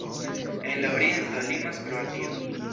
En la oriento limas Kroatio.